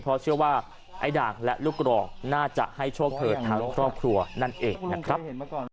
เพราะเชื่อว่าไอ้ด่างและลูกกรองน่าจะให้โชคเธอทั้งครอบครัวนั่นเองนะครับ